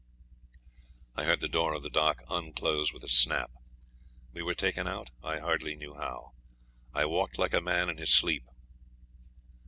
I heard the door of the dock unclose with a snap. We were taken out; I hardly knew how. I walked like a man in his sleep.